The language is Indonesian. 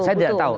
saya tidak tahu